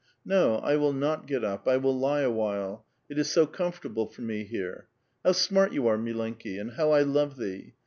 " No, I will not get up ; I will lie awhile, it is so comforta ble for me here. How smart you are, mllenki! and how I love thee